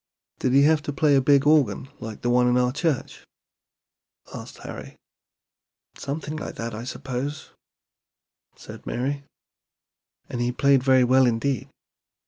"Did he have to play a big organ like the one in our church?" asked Harry. "Something like that, I suppose," said Mary; "and he played very well indeed.